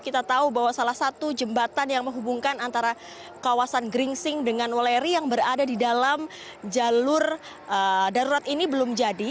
kita tahu bahwa salah satu jembatan yang menghubungkan antara kawasan gringsing dengan weleri yang berada di dalam jalur darurat ini belum jadi